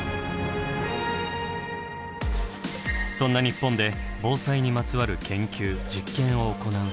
そんな日本で防災にまつわる研究・実験を行う施設。